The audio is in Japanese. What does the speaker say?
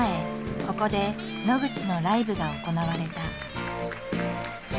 ここで野口のライブが行われた。